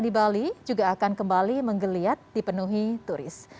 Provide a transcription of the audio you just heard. di bali juga akan kembali menggeliat dipenuhi turis